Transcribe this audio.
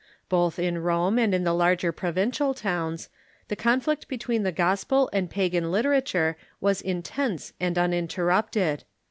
Both in Rome and in the larger provincial towns, the conflict between the gospel and pagan literature was intense and uninterrupted.